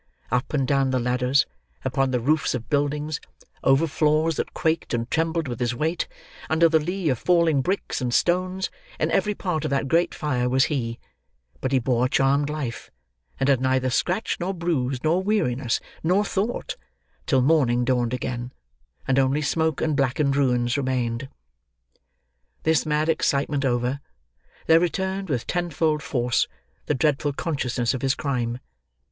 Up and down the ladders, upon the roofs of buildings, over floors that quaked and trembled with his weight, under the lee of falling bricks and stones, in every part of that great fire was he; but he bore a charmed life, and had neither scratch nor bruise, nor weariness nor thought, till morning dawned again, and only smoke and blackened ruins remained. This mad excitement over, there returned, with ten fold force, the dreadful consciousness of his crime.